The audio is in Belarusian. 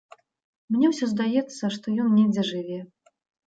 Мне ўсё здаецца, што ён недзе жыве.